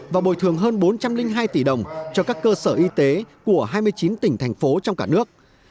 và bồi thường hơn bốn trăm linh hai tỷ đồng cho các cơ sở y tế của hai mươi chín tỉnh thành phố trong cả nước